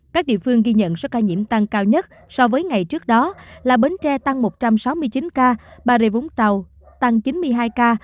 các địa phương ghi nhận số ca nhiễm tăng cao nhất so với ngày trước đó là bến tre tăng một trăm sáu mươi chín ca bà rịa vũng tàu tăng chín mươi hai ca